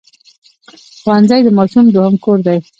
ښوونځی د ماشوم دوهم کور دی